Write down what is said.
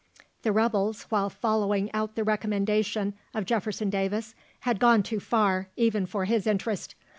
The rebels, while following out the recommendation of Jefferson Davis, had gone too far, even for his interest.